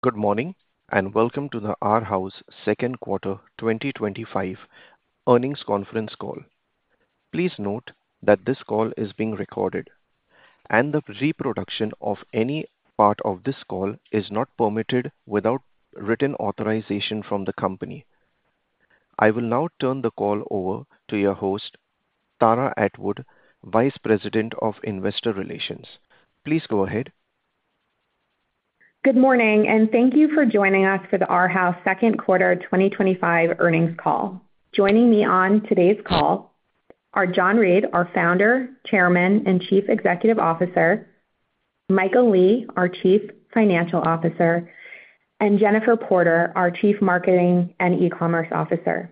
Good morning and welcome to the Arhaus Second Quarter 2025 Earnings Conference Call. Please note that this call is being recorded, and the reproduction of any part of this call is not permitted without written authorization from the company. I will now turn the call over to your host, Tara Atwood, Vice President of Investor Relations. Please go ahead. Good morning and thank you for joining us for the Arhaus Second Quarter 2025 Earnings Call. Joining me on today's call are John Reed, our Founder, Chairman and Chief Executive Officer, Michael Lee, our Chief Financial Officer, and Jennifer Porter, our Chief Marketing and E-commerce Officer.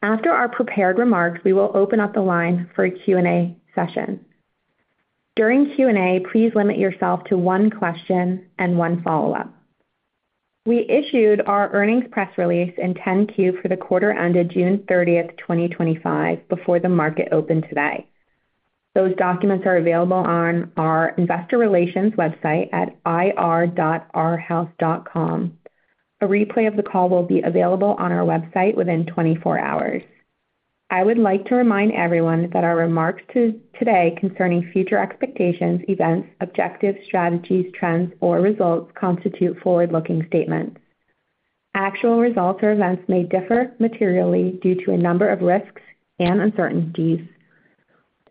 After our prepared remarks, we will open up the line for a Q&A session. During Q&A, please limit yourself to one question and one follow-up. We issued our earnings press release and 10-Q for the quarter ended June 30th, 2025, before the market opened today. Those documents are available on our Investor Relations website at ir.arhaus.com. A replay of the call will be available on our website within 24 hours. I would like to remind everyone that our remarks today concerning future expectations, events, objectives, strategies, trends, or results constitute forward-looking statements. Actual results or events may differ materially due to a number of risks and uncertainties.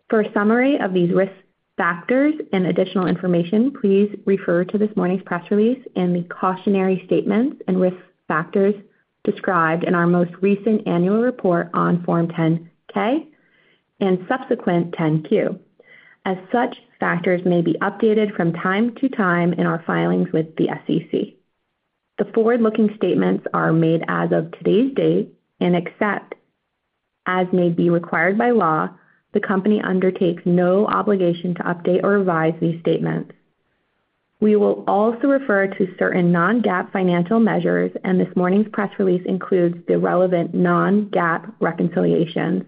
For a summary of these risk factors and additional information, please refer to this morning's press release and the cautionary statements and risk factors described in our most recent annual report on Form 10-K and subsequent 10-Q. Such factors may be updated from time to time in our filings with the SEC. The forward-looking statements are made as of today's date except as may be required by law. The company undertakes no obligation to update or revise these statements. We will also refer to certain non-GAAP financial measures, and this morning's press release includes the relevant non-GAAP reconciliations.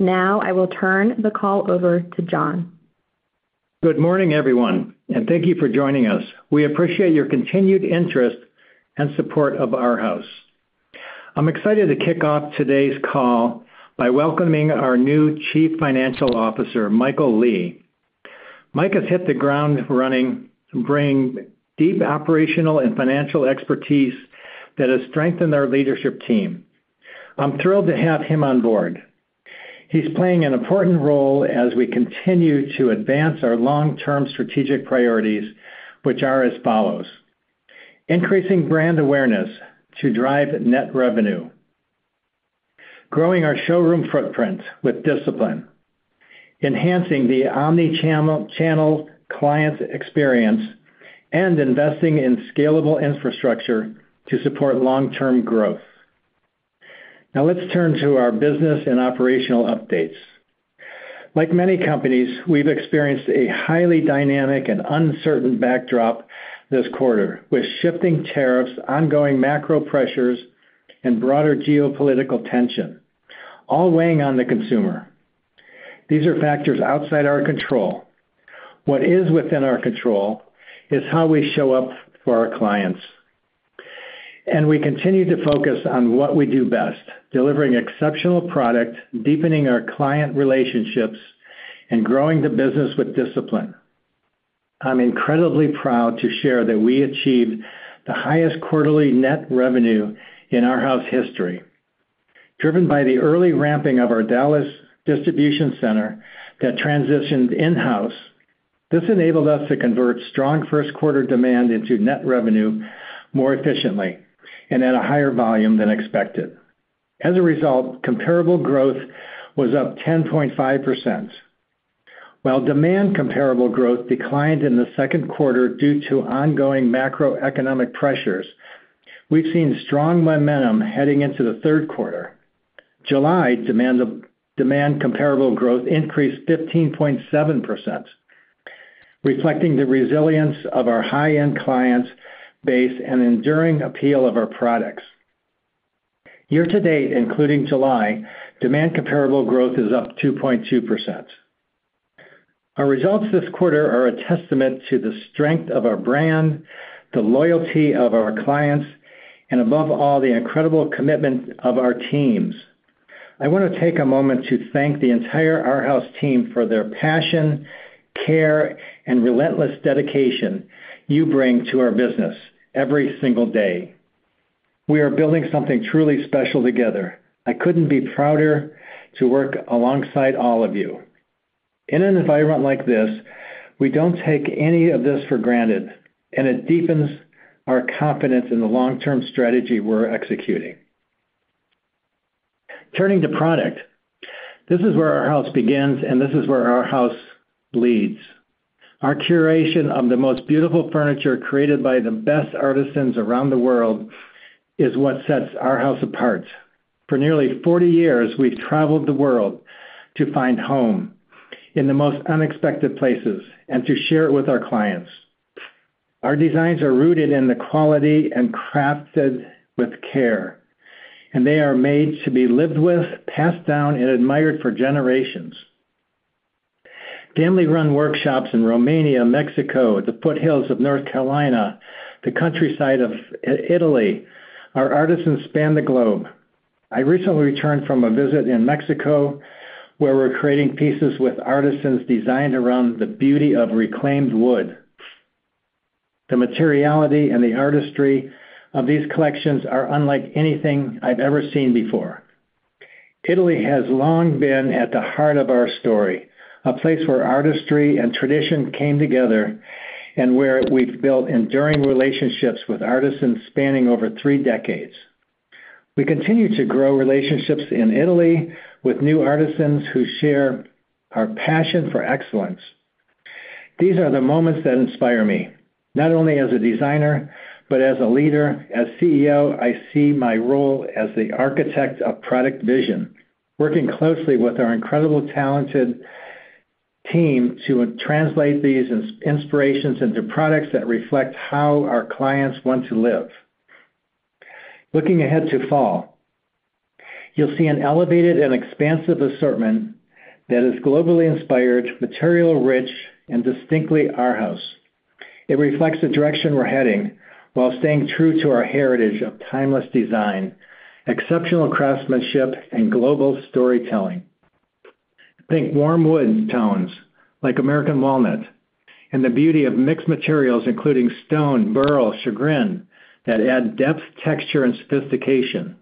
Now, I will turn the call over to John. Good morning, everyone, and thank you for joining us. We appreciate your continued interest and support of Arhaus. I'm excited to kick off today's call by welcoming our new Chief Financial Officer, Michael Lee. Mike has hit the ground running, bringing deep operational and financial expertise that has strengthened our leadership team. I'm thrilled to have him on board. He's playing an important role as we continue to advance our long-term strategic priorities, which are as follows: increasing brand awareness to drive net revenue, growing our showroom footprint with discipline, enhancing the omnichannel client experience, and investing in scalable infrastructure to support long-term growth. Now let's turn to our business and operational updates. Like many companies, we've experienced a highly dynamic and uncertain backdrop this quarter, with shifting tariffs, ongoing macro pressures, and broader geopolitical tension, all weighing on the consumer. These are factors outside our control. What is within our control is how we show up for our clients. We continue to focus on what we do best: delivering exceptional product, deepening our client relationships, and growing the business with discipline. I'm incredibly proud to share that we achieved the highest quarterly net revenue in Arhaus history. Driven by the early ramping of our Dallas distribution center that transitioned in-house, this enabled us to convert strong first-quarter demand into net revenue more efficiently and at a higher volume than expected. As a result, comparable growth was up 10.5%. While demand comparable growth declined in the second quarter due to ongoing macroeconomic pressures, we've seen strong momentum heading into the third quarter. July, demand comparable growth increased 15.7%, reflecting the resilience of our high-end client base and enduring appeal of our products. Year to date, including July, demand comparable growth is up 2.2%. Our results this quarter are a testament to the strength of our brand, the loyalty of our clients, and above all, the incredible commitment of our teams. I want to take a moment to thank the entire Arhaus team for their passion, care, and relentless dedication you bring to our business every single day. We are building something truly special together. I couldn't be prouder to work alongside all of you. In an environment like this, we don't take any of this for granted, and it deepens our confidence in the long-term strategy we're executing. Turning to product, this is where Arhaus begins, and this is where Arhaus leads. Our curation of the most beautiful furniture created by the best artisans around the world is what sets Arhaus apart. For nearly 40 years, we've traveled the world to find home in the most unexpected places and to share it with our clients. Our designs are rooted in the quality and crafted with care, and they are made to be lived with, passed down, and admired for generations. Family-run workshops in Romania, Mexico, the foothills of North Carolina, the countryside of Italy, our artisans span the globe. I recently returned from a visit in Mexico, where we're creating pieces with artisans designed around the beauty of reclaimed wood. The materiality and the artistry of these collections are unlike anything I've ever seen before. Italy has long been at the heart of our story, a place where artistry and tradition came together and where we've built enduring relationships with artisans spanning over three decades. We continue to grow relationships in Italy with new artisans who share our passion for excellence. These are the moments that inspire me, not only as a designer but as a leader. As CEO, I see my role as the architect of product vision, working closely with our incredible, talented team to translate these inspirations into products that reflect how our clients want to live. Looking ahead to fall, you'll see an elevated and expansive assortment that is globally inspired, material-rich, and distinctly Arhaus. It reflects the direction we're heading while staying true to our heritage of timeless design, exceptional craftsmanship, and global storytelling. Think warm wood tones like American walnut and the beauty of mixed materials, including stone, burl, and chagrin, that add depth, texture, and sophistication.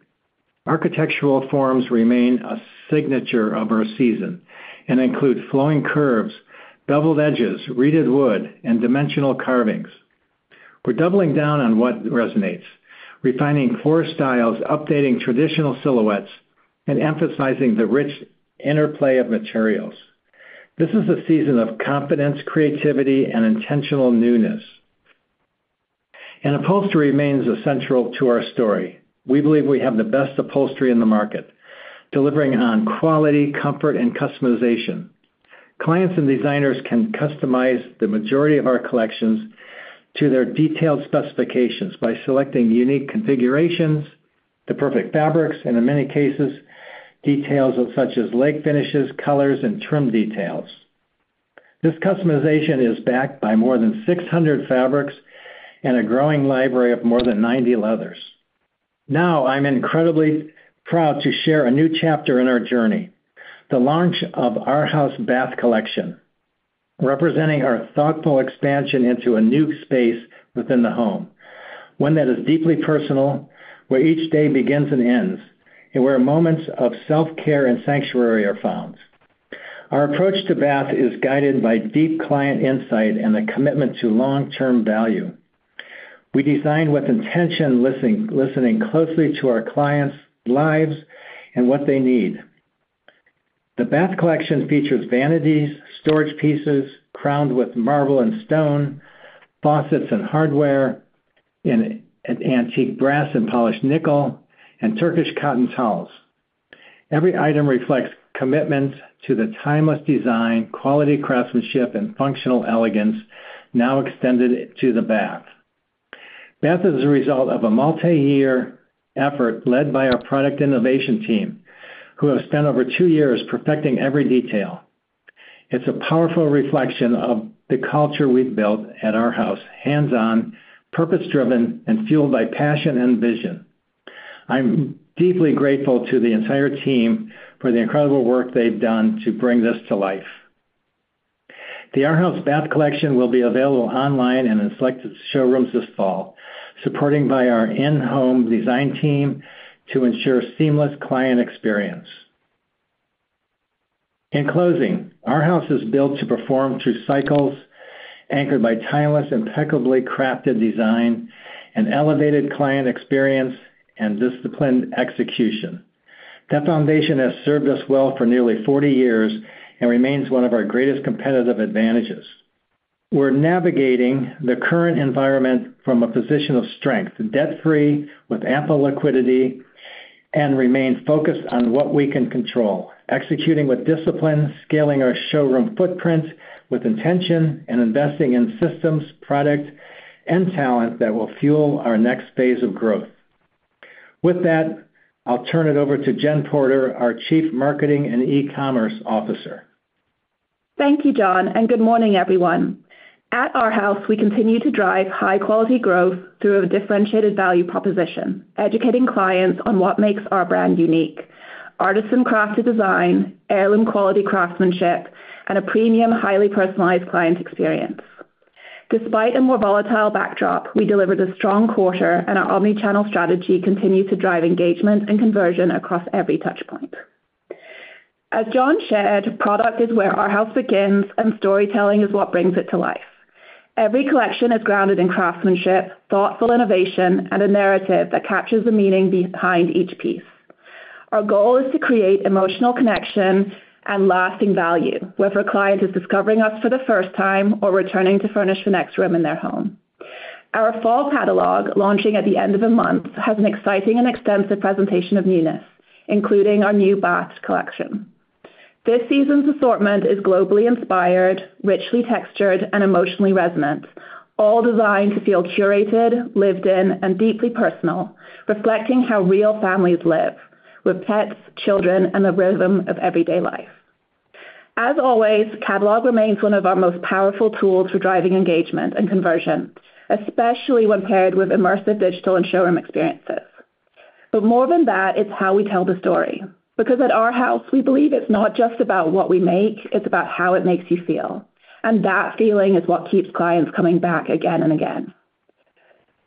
Architectural forms remain a signature of our season and include flowing curves, beveled edges, reeded wood, and dimensional carvings. We're doubling down on what resonates, refining floor styles, updating traditional silhouettes, and emphasizing the rich interplay of materials. This is a season of confidence, creativity, and intentional newness. Upholstery remains essential to our story. We believe we have the best upholstery in the market, delivering on quality, comfort, and customization. Clients and designers can customize the majority of our collections to their detailed specifications by selecting unique configurations, the perfect fabrics, and in many cases, details such as leg finishes, colors, and trim details. This customization is backed by more than 600 fabrics and a growing library of more than 90 leathers. Now, I'm incredibly proud to share a new chapter in our journey, the launch of Arhaus Bath Collection, representing our thoughtful expansion into a new space within the home, one that is deeply personal, where each day begins and ends, and where moments of self-care and sanctuary are found. Our approach to bath is guided by deep client insight and a commitment to long-term value. We design with intention, listening closely to our clients' lives and what they need. The bath collection features vanities, storage pieces crowned with marble and stone, faucets and hardware in antique brass and polished nickel, and Turkish cotton towels. Every item reflects commitment to timeless design, quality craftsmanship, and functional elegance now extended to the bath. Bath is a result of a multi-year effort led by our product innovation team, who have spent over two years perfecting every detail. It's a powerful reflection of the culture we've built at Arhaus: hands-on, purpose-driven, and fueled by passion and vision. I'm deeply grateful to the entire team for the incredible work they've done to bring this to life. The Arhaus Bath Collection will be available online and in selected showrooms this fall, supported by our in-home design team to ensure a seamless client experience. In closing, Arhaus is built to perform through cycles, anchored by timeless, impeccably crafted design, an elevated client experience, and disciplined execution. That foundation has served us well for nearly 40 years and remains one of our greatest competitive advantages. We're navigating the current environment from a position of strength, debt-free, with ample liquidity, and remain focused on what we can control, executing with discipline, scaling our showroom footprint with intention, and investing in systems, product, and talent that will fuel our next phase of growth. With that, I'll turn it over to Jennifer Porter, our Chief Marketing and E-commerce Officer. Thank you, John, and good morning, everyone. At Arhaus, we continue to drive high-quality growth through a differentiated value proposition, educating clients on what makes our brand unique: artisan-crafted design, heirloom quality craftsmanship, and a premium, highly personalized client experience. Despite a more volatile backdrop, we delivered a strong quarter, and our omnichannel strategy continues to drive engagement and conversion across every touchpoint. As John shared, product is where Arhaus begins, and storytelling is what brings it to life. Every collection is grounded in craftsmanship, thoughtful innovation, and a narrative that captures the meaning behind each piece. Our goal is to create emotional connection and lasting value, whether a client is discovering us for the first time or returning to furnish the next room in their home. Our fall catalog, launching at the end of the month, has an exciting and extensive presentation of newness, including our new Arhaus Bath Collection. This season's assortment is globally inspired, richly textured, and emotionally resonant, all designed to feel curated, lived in, and deeply personal, reflecting how real families live with pets, children, and the rhythm of everyday life. As always, the catalog remains one of our most powerful tools for driving engagement and conversion, especially when paired with immersive digital and showroom experiences. More than that, it's how we tell the story. At Arhaus, we believe it's not just about what we make; it's about how it makes you feel. That feeling is what keeps clients coming back again and again.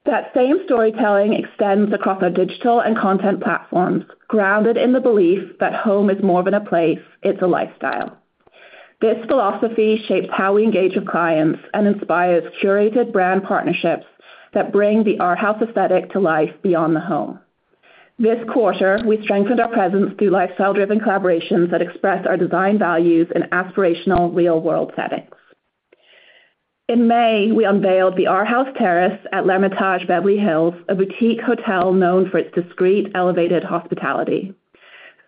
That same storytelling extends across our digital and content platforms, grounded in the belief that home is more than a place; it's a lifestyle. This philosophy shapes how we engage with clients and inspires curated brand partnerships that bring the Arhaus aesthetic to life beyond the home. This quarter, we strengthened our presence through lifestyle-driven collaborations that express our design values in aspirational, real-world settings. In May, we unveiled the Arhaus Terrace at L’Ermitage Beverly Hills, a boutique hotel known for its discreet, elevated hospitality.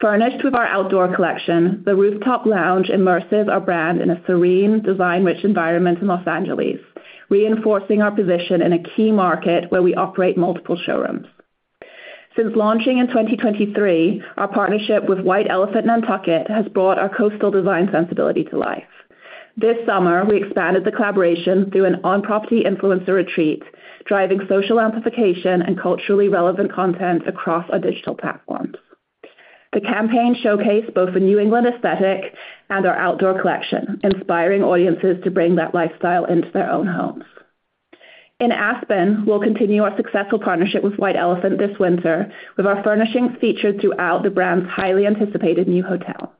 Furnished with our outdoor collection, the rooftop lounge immerses our brand in a serene, design-rich environment in Los Angeles, reinforcing our position in a key market where we operate multiple showrooms. Since launching in 2023, our partnership with White Elephant Nantucket has brought our coastal design sensibility to life. This summer, we expanded the collaboration through an on-property influencer retreat, driving social amplification and culturally relevant content across our digital platforms. The campaign showcased both the New England aesthetic and our outdoor collection, inspiring audiences to bring that lifestyle into their own homes. In Aspen, we'll continue our successful partnership with White Elephant this winter, with our furnishings featured throughout the brand's highly anticipated new hotel.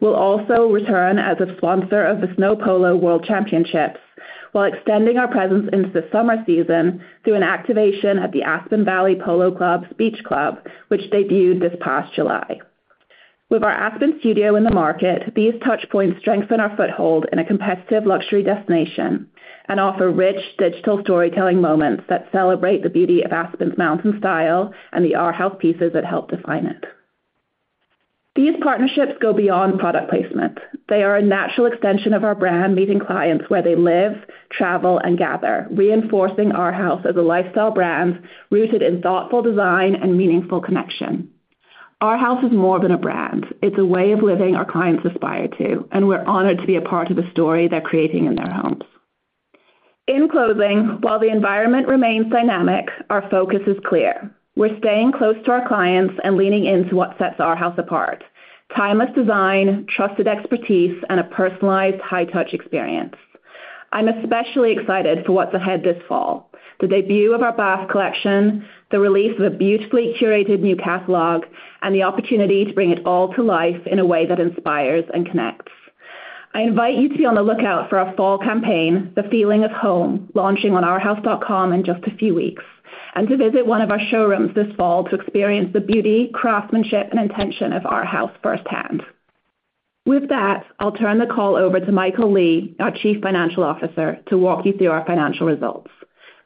We'll also return as a sponsor of the Snow Polo World Championships, while extending our presence into the summer season through an activation at the Aspen Valley Polo Club's Beach Club, which debuted this past July. With our Aspen studio in the market, these touchpoints strengthen our foothold in a competitive luxury destination and offer rich digital storytelling moments that celebrate the beauty of Aspen's mountain style and the Arhaus pieces that help define it. These partnerships go beyond product placement. They are a natural extension of our brand, meeting clients where they live, travel, and gather, reinforcing Arhaus as a lifestyle brand rooted in thoughtful design and meaningful connection. Arhaus is more than a brand; it's a way of living our clients aspire to, and we're honored to be a part of the story they're creating in their homes. In closing, while the environment remains dynamic, our focus is clear. We're staying close to our clients and leaning into what sets Arhaus apart: timeless design, trusted expertise, and a personalized, high-touch experience. I'm especially excited for what's ahead this fall: the debut of our Arhaus Bath Collection, the release of a beautifully curated new catalog, and the opportunity to bring it all to life in a way that inspires and connects. I invite you to be on the lookout for our fall campaign, The Feeling of Home, launching on arhaus.com in just a few weeks, and to visit one of our showrooms this fall to experience the beauty, craftsmanship, and intention of Arhaus firsthand. With that, I'll turn the call over to Michael Lee, our Chief Financial Officer, to walk you through our financial results.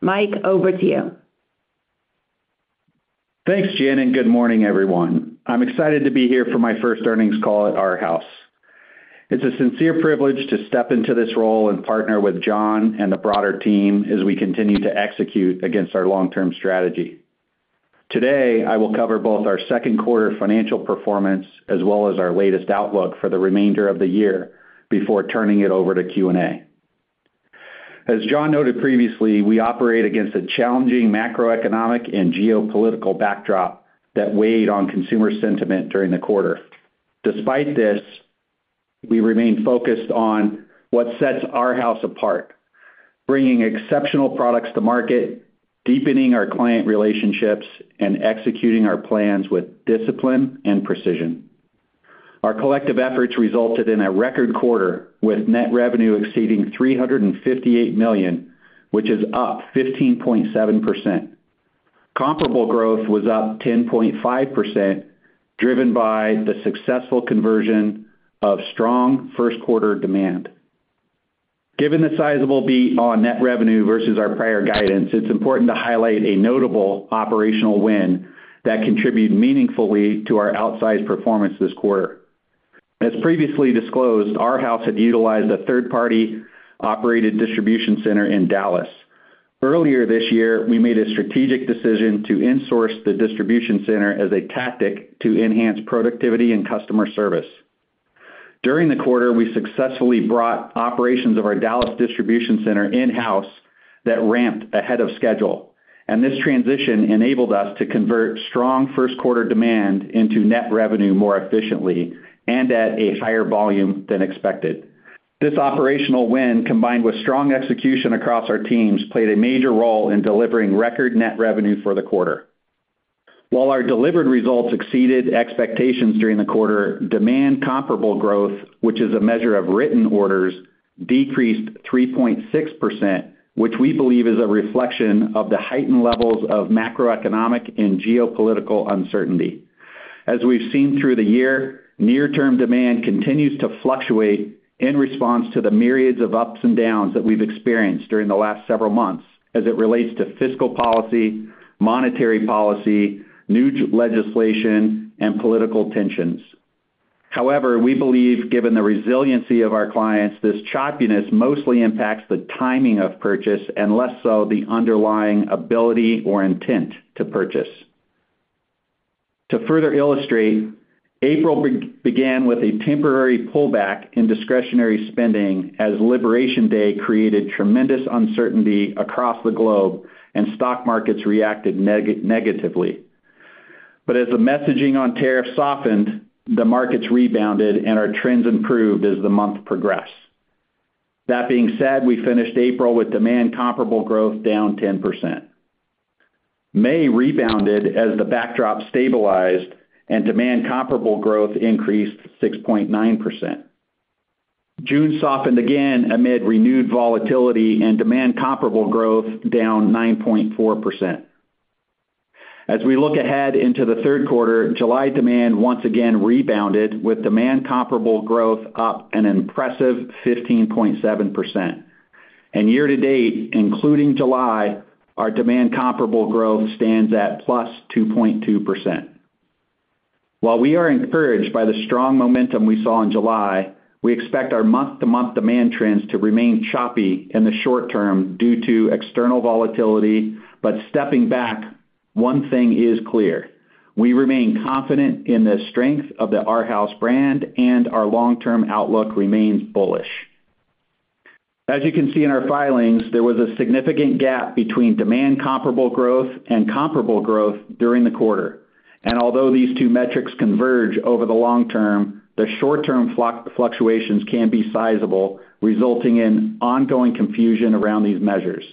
Mike, over to you. Thanks, Jen, and good morning, everyone. I'm excited to be here for my first earnings call at Arhaus. It's a sincere privilege to step into this role and partner with John and the broader team as we continue to execute against our long-term strategy. Today, I will cover both our second quarter financial performance as well as our latest outlook for the remainder of the year before turning it over to Q&A. As John noted previously, we operate against a challenging macroeconomic and geopolitical backdrop that weighed on consumer sentiment during the quarter. Despite this, we remain focused on what sets Arhaus apart, bringing exceptional products to market, deepening our client relationships, and executing our plans with discipline and precision. Our collective efforts resulted in a record quarter with net revenue exceeding $358 million, which is up 15.7%. Comparable growth was up 10.5%, driven by the successful conversion of strong first-quarter demand. Given the sizable beat on net revenue versus our prior guidance, it's important to highlight a notable operational win that contributed meaningfully to our outsized performance this quarter. As previously disclosed, Arhaus had utilized a third-party operated distribution center in Dallas. Earlier this year, we made a strategic decision to insource the distribution center as a tactic to enhance productivity and customer service. During the quarter, we successfully brought operations of our Dallas distribution center in-house that ramped ahead of schedule, and this transition enabled us to convert strong first-quarter demand into net revenue more efficiently and at a higher volume than expected. This operational win, combined with strong execution across our teams, played a major role in delivering record net revenue for the quarter. While our delivered results exceeded expectations during the quarter, demand comparable growth, which is a measure of written orders, decreased 3.6%, which we believe is a reflection of the heightened levels of macroeconomic and geopolitical uncertainty. As we've seen through the year, near-term demand continues to fluctuate in response to the myriads of ups and downs that we've experienced during the last several months as it relates to fiscal policy, monetary policy, new legislation, and political tensions. However, we believe, given the resiliency of our clients, this choppiness mostly impacts the timing of purchase and less so the underlying ability or intent to purchase. To further illustrate, April began with a temporary pullback in discretionary spending as Liberation Day created tremendous uncertainty across the globe, and stock markets reacted negatively. As the messaging on tariffs softened, the markets rebounded and our trends improved as the month progressed. That being said, we finished April with demand comparable growth down 10%. May rebounded as the backdrop stabilized and demand comparable growth increased 6.9%. June softened again amid renewed volatility and demand comparable growth down 9.4%. As we look ahead into the third quarter, July demand once again rebounded with demand comparable growth up an impressive 15.7%. Year to date, including July, our demand comparable growth stands at +2.2%. While we are encouraged by the strong momentum we saw in July, we expect our month-to-month demand trends to remain choppy in the short term due to external volatility. Stepping back, one thing is clear: we remain confident in the strength of the Arhaus brand, and our long-term outlook remains bullish. As you can see in our filings, there was a significant gap between demand comparable growth and comparable growth during the quarter. Although these two metrics converge over the long term, the short-term fluctuations can be sizable, resulting in ongoing confusion around these measures.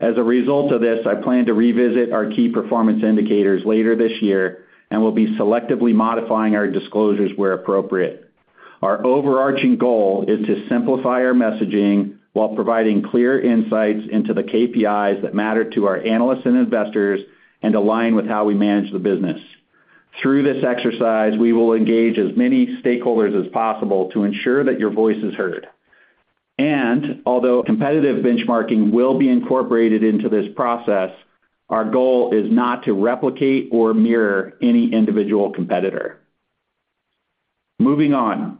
As a result of this, I plan to revisit our key performance indicators later this year and will be selectively modifying our disclosures where appropriate. Our overarching goal is to simplify our messaging while providing clear insights into the KPIs that matter to our analysts and investors and align with how we manage the business. Through this exercise, we will engage as many stakeholders as possible to ensure that your voice is heard. Although competitive benchmarking will be incorporated into this process, our goal is not to replicate or mirror any individual competitor. Moving on,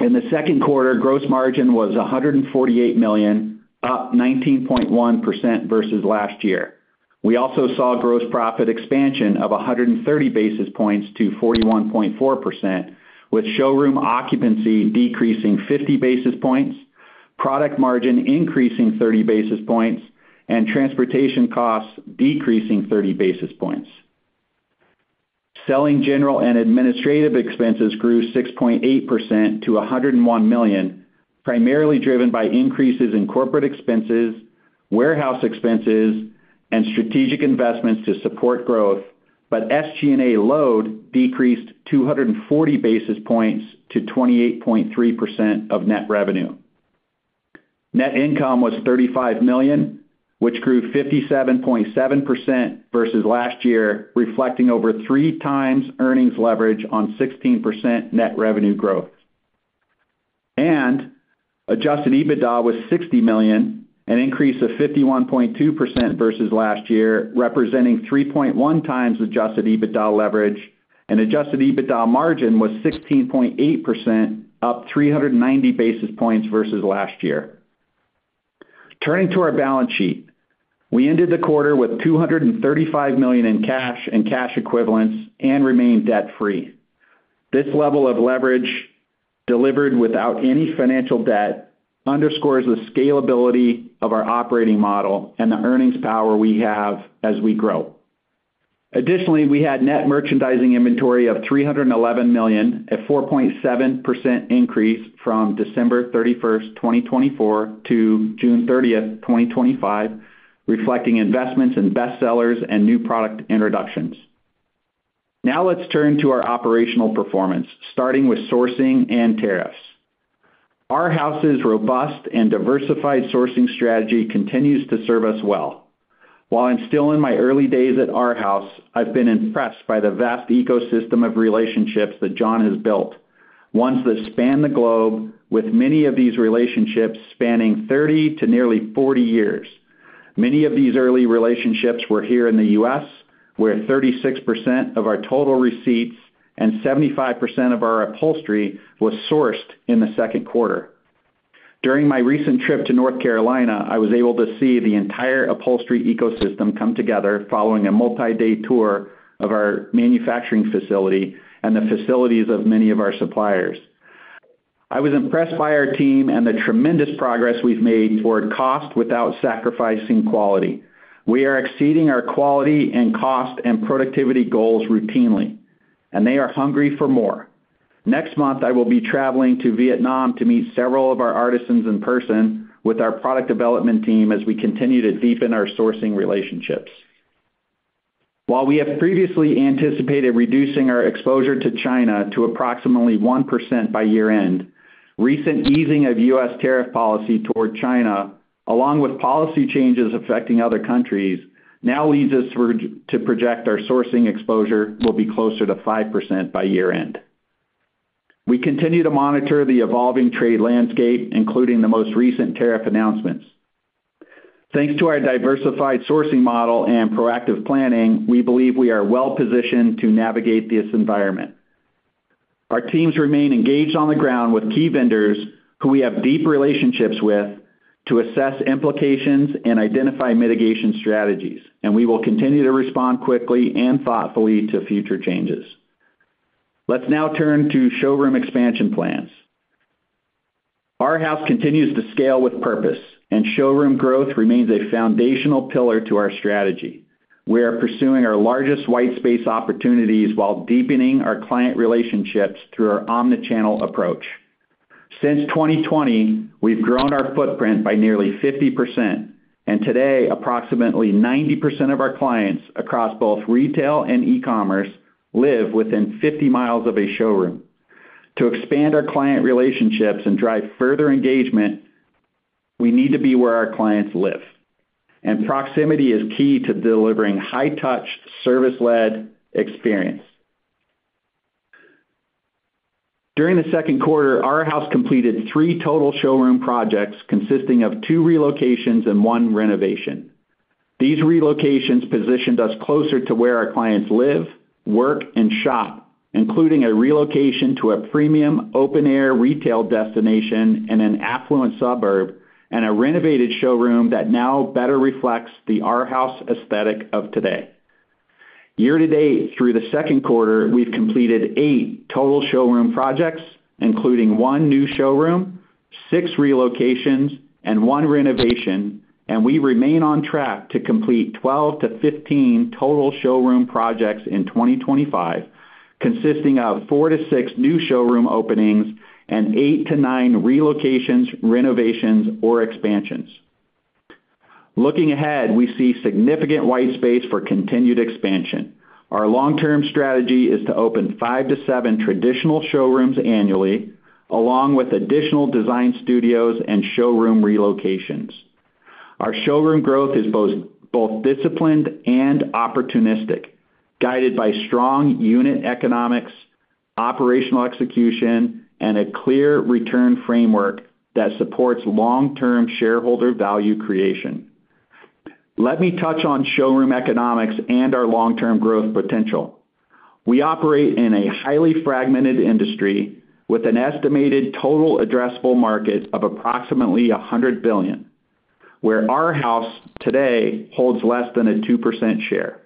in the second quarter, gross margin was $148 million, up 19.1% versus last year. We also saw gross profit expansion of 130 basis points to 41.4%, with showroom occupancy decreasing 50 basis points, product margin increasing 30 basis points, and transportation costs decreasing 30 basis points. Selling, general, and administrative expenses grew 6.8% to $101 million, primarily driven by increases in corporate expenses, warehouse expenses, and strategic investments to support growth. SG&A load decreased 240 basis points to 28.3% of net revenue. Net income was $35 million, which grew 57.7% versus last year, reflecting over three times earnings leverage on 16% net revenue growth. Adjusted EBITDA was $60 million, an increase of 51.2% versus last year, representing 3.1x Adjusted EBITDA leverage. Adjusted EBITDA margin was 16.8%, up 390 basis points versus last year. Turning to our balance sheet, we ended the quarter with $235 million in cash and cash equivalents and remained debt-free. This level of leverage, delivered without any financial debt, underscores the scalability of our operating model and the earnings power we have as we grow. Additionally, we had net merchandising inventory of $311 million, a 4.7% increase from December 31, 2024, to June 30, 2025, reflecting investments in bestsellers and new product introductions. Now let's turn to our operational performance, starting with sourcing and tariffs. Arhaus's robust and diversified sourcing strategy continues to serve us well. While I'm still in my early days at Arhaus, I've been impressed by the vast ecosystem of relationships that John has built, ones that span the globe, with many of these relationships spanning 30 to nearly 40 years. Many of these early relationships were here in the U.S., where 36% of our total receipts and 75% of our upholstery was sourced in the second quarter. During my recent trip to North Carolina, I was able to see the entire upholstery ecosystem come together following a multi-day tour of our manufacturing facility and the facilities of many of our suppliers. I was impressed by our team and the tremendous progress we've made toward cost without sacrificing quality. We are exceeding our quality and cost and productivity goals routinely, and they are hungry for more. Next month, I will be traveling to Vietnam to meet several of our artisans in person with our product development team as we continue to deepen our sourcing relationships. While we have previously anticipated reducing our exposure to China to approximately 1% by year-end, recent easing of U.S. tariff policy toward China, along with policy changes affecting other countries, now leads us to project our sourcing exposure will be closer to 5% by year-end. We continue to monitor the evolving trade landscape, including the most recent tariff announcements. Thanks to our diversified sourcing model and proactive planning, we believe we are well-positioned to navigate this environment. Our teams remain engaged on the ground with key vendors who we have deep relationships with to assess implications and identify mitigation strategies, and we will continue to respond quickly and thoughtfully to future changes. Let's now turn to showroom expansion plans. Arhaus continues to scale with purpose, and showroom growth remains a foundational pillar to our strategy. We are pursuing our largest white space opportunities while deepening our client relationships through our omnichannel approach. Since 2020, we've grown our footprint by nearly 50%, and today, approximately 90% of our clients across both retail and e-commerce live within 50 mi of a showroom. To expand our client relationships and drive further engagement, we need to be where our clients live, and proximity is key to delivering a high-touch, service-led experience. During the second quarter, Arhaus completed three total showroom projects consisting of two relocations and one renovation. These relocations positioned us closer to where our clients live, work, and shop, including a relocation to a premium open-air retail destination in an affluent suburb and a renovated showroom that now better reflects the Arhaus aesthetic of today. Year to date, through the second quarter, we've completed eight total showroom projects, including one new showroom, six relocations, and one renovation, and we remain on track to complete 12 to 15 total showroom projects in 2025, consisting of four to six new showroom openings and eight to nine relocations, renovations, or expansions. Looking ahead, we see significant white space for continued expansion. Our long-term strategy is to open five to seven traditional showrooms annually, along with additional design studios and showroom relocations. Our showroom growth is both disciplined and opportunistic, guided by strong unit economics, operational execution, and a clear return framework that supports long-term shareholder value creation. Let me touch on showroom economics and our long-term growth potential. We operate in a highly fragmented industry with an estimated total addressable market of approximately $100 billion, where Arhaus today holds less than a 2% share.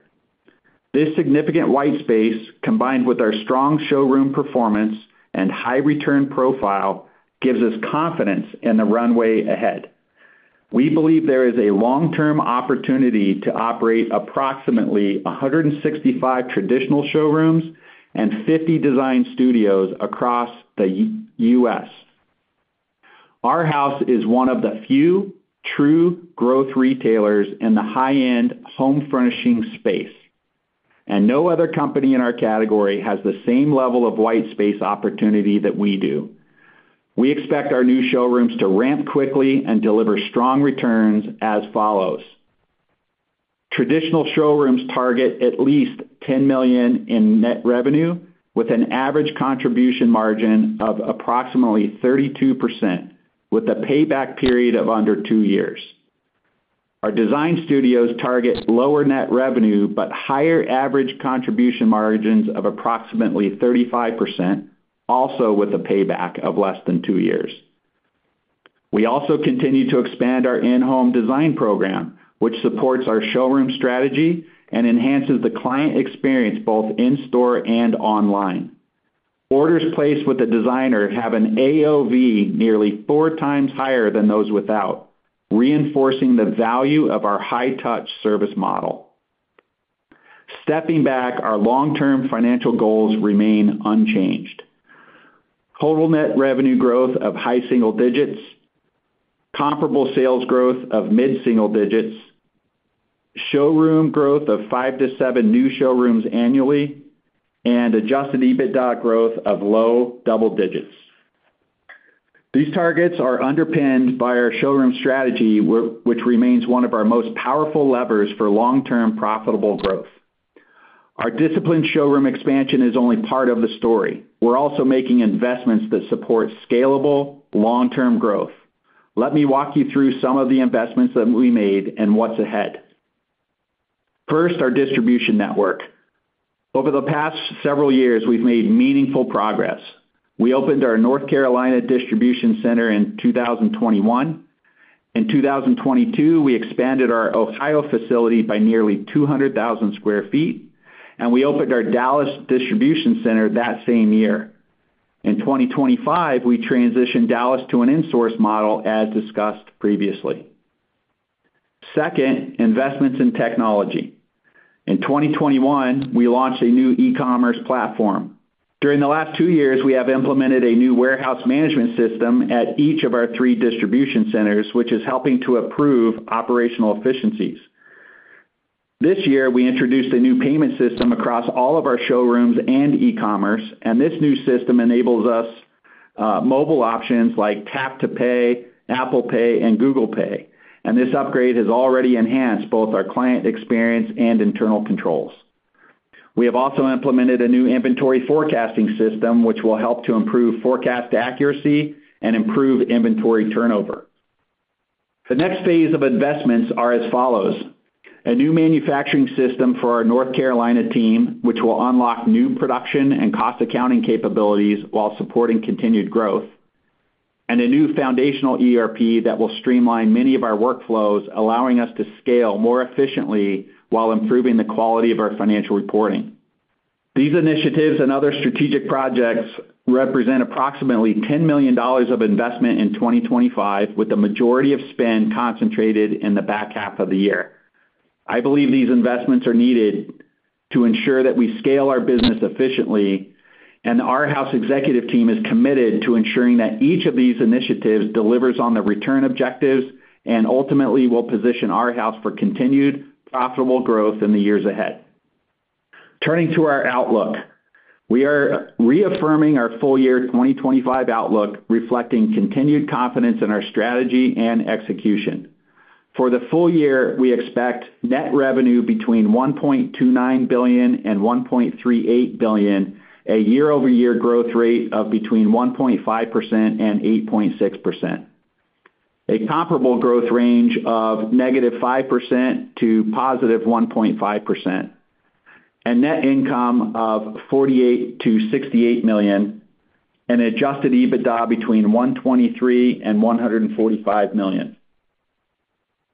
This significant white space, combined with our strong showroom performance and high return profile, gives us confidence in the runway ahead. We believe there is a long-term opportunity to operate approximately 165 traditional showrooms and 50 design studios across the U.S. Arhaus is one of the few true growth retailers in the high-end home furnishing space, and no other company in our category has the same level of white space opportunity that we do. We expect our new showrooms to ramp quickly and deliver strong returns as follows: traditional showrooms target at least $10 million in net revenue, with an average contribution margin of approximately 32%, with a payback period of under two years. Our design studios target lower net revenue but higher average contribution margins of approximately 35%, also with a payback of less than two years. We also continue to expand our in-home design program, which supports our showroom strategy and enhances the client experience both in-store and online. Orders placed with a designer have an AOV nearly four times higher than those without, reinforcing the value of our high-touch service model. Stepping back, our long-term financial goals remain unchanged: total net revenue growth of high single digits, comparable sales growth of mid-single digits, showroom growth of five to seven new showrooms annually, and Adjusted EBITDA growth of low double digits. These targets are underpinned by our showroom strategy, which remains one of our most powerful levers for long-term profitable growth. Our disciplined showroom expansion is only part of the story. We're also making investments that support scalable, long-term growth. Let me walk you through some of the investments that we made and what's ahead. First, our distribution network. Over the past several years, we've made meaningful progress. We opened our North Carolina distribution center in 2021. In 2022, we expanded our Ohio facility by nearly 200,000 sq ft, and we opened our Dallas distribution center that same year. In 2025, we transitioned Dallas to an insource model, as discussed previously. Second, investments in technology. In 2021, we launched a new e-commerce platform. During the last two years, we have implemented a new warehouse management system at each of our three distribution centers, which is helping to improve operational efficiencies. This year, we introduced a new payment system across all of our showrooms and e-commerce, and this new system enables us, mobile options like Tap to Pay, Apple Pay, and Google Pay. This upgrade has already enhanced both our client experience and internal controls. We have also implemented a new inventory forecasting system, which will help to improve forecast accuracy and improve inventory turnover. The next phase of investments is as follows: a new manufacturing system for our North Carolina team, which will unlock new production and cost accounting capabilities while supporting continued growth, and a new foundational ERP that will streamline many of our workflows, allowing us to scale more efficiently while improving the quality of our financial reporting. These initiatives and other strategic projects represent approximately $10 million of investment in 2025, with the majority of spend concentrated in the back half of the year. I believe these investments are needed to ensure that we scale our business efficiently, and the Arhaus executive team is committed to ensuring that each of these initiatives delivers on the return objectives and ultimately will position Arhaus for continued profitable growth in the years ahead. Turning to our outlook, we are reaffirming our full year 2025 outlook, reflecting continued confidence in our strategy and execution. For the full year, we expect net revenue between $1.29 billion and $1.38 billion, a year-over-year growth rate of between 1.5% and 8.6%, a comparable growth range of -5% to +1.5%, a net income of $48 million-$68 million, and an Adjusted EBITDA between $123 million and $145 million.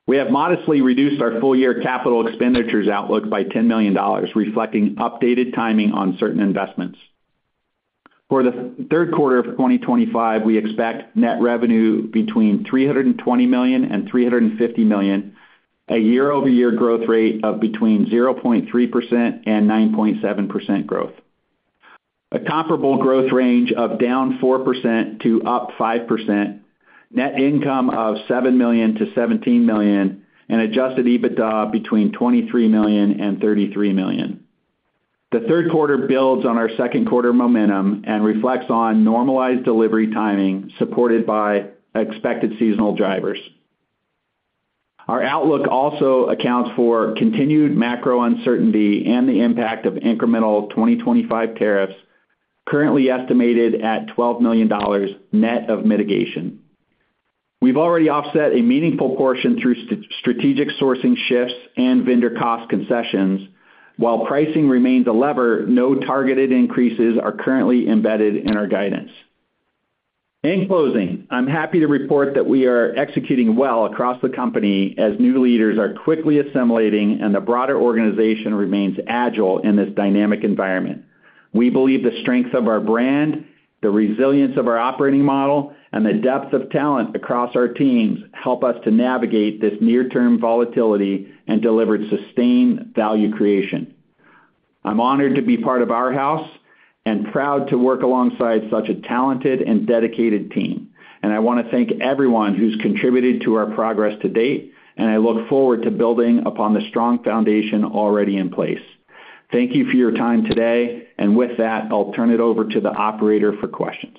We have modestly reduced our full year capital expenditures outlook by $10 million, reflecting updated timing on certain investments. For the third quarter of 2025, we expect net revenue between $320 million and $350 million, a year-over-year growth rate of between 0.3% and 9.7% growth, a comparable growth range of down 4% to up 5%, net income of $7 million-$17 million, and Adjusted EBITDA between $23 million and $33 million. The third quarter builds on our second quarter momentum and reflects on normalized delivery timing, supported by expected seasonal drivers. Our outlook also accounts for continued macro uncertainty and the impact of incremental 2025 tariffs, currently estimated at $12 million net of mitigation. We've already offset a meaningful portion through strategic sourcing shifts and vendor cost concessions. While pricing remains a lever, no targeted increases are currently embedded in our guidance. In closing, I'm happy to report that we are executing well across the company as new leaders are quickly assimilating and the broader organization remains agile in this dynamic environment. We believe the strength of our brand, the resilience of our operating model, and the depth of talent across our teams help us to navigate this near-term volatility and deliver sustained value creation. I'm honored to be part of Arhaus and proud to work alongside such a talented and dedicated team. I want to thank everyone who's contributed to our progress to date, and I look forward to building upon the strong foundation already in place. Thank you for your time today. With that, I'll turn it over to the operator for questions.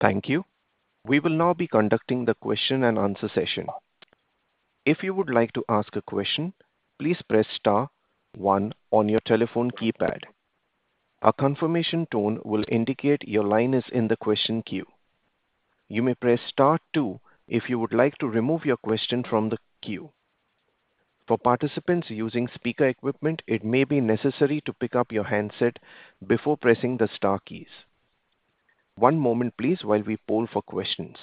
Thank you. We will now be conducting the question and answer session. If you would like to ask a question, please press star one on your telephone keypad. A confirmation tone will indicate your line is in the question queue. You may press star two if you would like to remove your question from the queue. For participants using speaker equipment, it may be necessary to pick up your handset before pressing the star keys. One moment, please, while we poll for questions.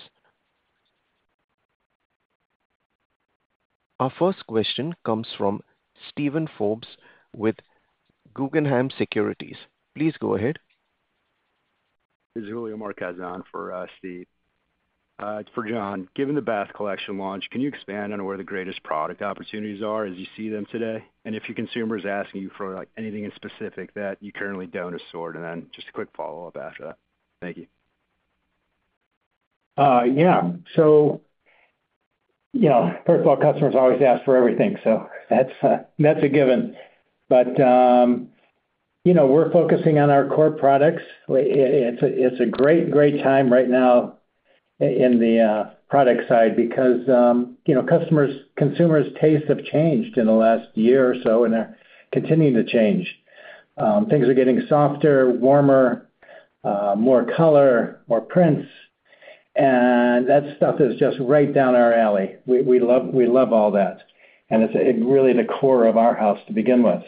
Our first question comes from Stephen Forbes with Guggenheim Securities LLC. Please go ahead. This is Julio Marquez on for Steve. For John, given the Bath Collection launch, can you expand on where the greatest product opportunities are as you see them today? If your consumer is asking you for anything in specific that you currently don't assort, just a quick follow-up after that. Thank you. Yeah. First of all, customers always ask for everything, so that's a given. We're focusing on our core products. It's a great, great time right now in the product side because customers' and consumers' tastes have changed in the last year or so, and they're continuing to change. Things are getting softer, warmer, more color, more prints, and that stuff is just right down our alley. We love all that, and it's really the core of Arhaus to begin with.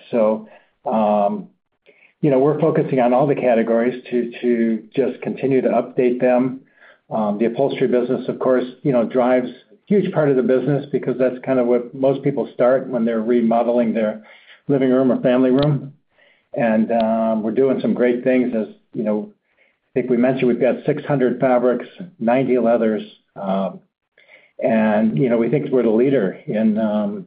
We're focusing on all the categories to just continue to update them. The upholstery business, of course, drives a huge part of the business because that's kind of where most people start when they're remodeling their living room or family room. We're doing some great things. As you know, I think we mentioned we've got 600 fabrics, 90 leathers, and we think we're the leader in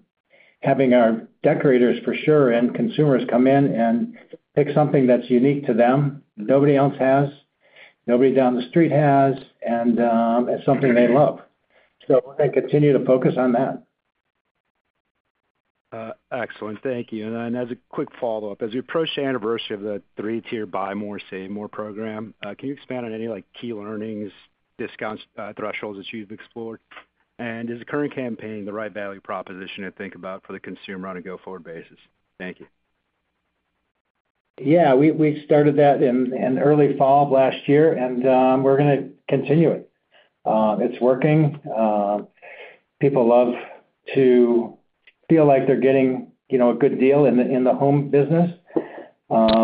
having our decorators, for sure, and consumers come in and pick something that's unique to them. Nobody else has, nobody down the street has, and it's something they love. We're going to continue to focus on that. Excellent. Thank you. As a quick follow-up, as we approach the anniversary of the three-tier buy more, save more program, can you expand on any key learnings, discounts, thresholds that you've explored? Is the current campaign the right value proposition to think about for the consumer on a go-forward basis? Thank you. We started that in early fall of last year, and we're going to continue it. It's working. People love to feel like they're getting a good deal in the home business.